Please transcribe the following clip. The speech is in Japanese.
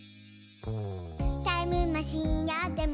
「タイムマシンあっても」